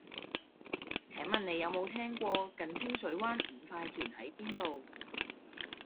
請問你有無聽過近清水灣五塊田喺邊度